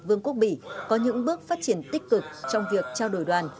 vương quốc bỉ có những bước phát triển tích cực trong việc trao đổi đoàn